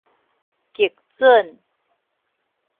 極準